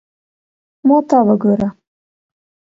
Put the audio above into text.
ما ته وګوره